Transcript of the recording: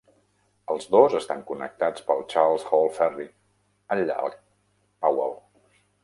Els dos estan connectats pel Charles Hall Ferry al llac Powell.